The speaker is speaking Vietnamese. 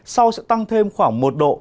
sau sẽ tăng thêm khoảng một độ